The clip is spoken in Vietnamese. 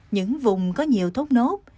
những vùng có nhiều thốt nốt